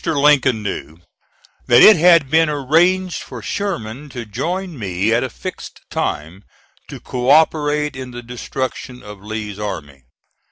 Lincoln knew that it had been arranged for Sherman to join me at a fixed time, to co operate in the destruction of Lee's army.